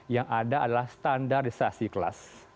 yang ada adalah standarisasi kelas